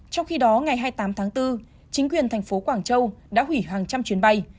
trong khi đó ngày hai mươi tám tháng bốn chính quyền thành phố quảng châu đã hủy hàng trăm chuyến bay